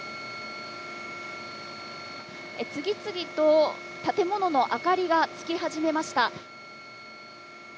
次々と建物の明かりがつき始めました。